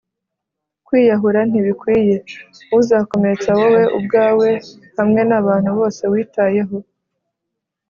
kwiyahura ntibikwiye. uzakomeretsa wowe ubwawe hamwe nabantu bose witayeho.